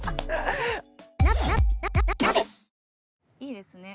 いいですね。